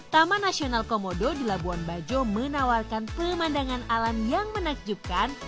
taman nasional komodo di labuan bajo menawarkan pemandangan alam yang menakjubkan